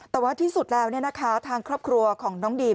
แต่ว่าที่สุดแล้วทางครอบครัวของน้องดีม